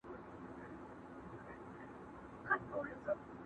له فکرونو اندېښنو په زړه غمجن سو!.